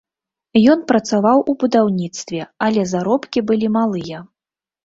Ён працаваў у будаўніцтве, але заробкі былі малыя.